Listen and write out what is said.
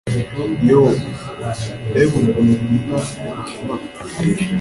yoo, mbega ukuntu nkunda ubuzima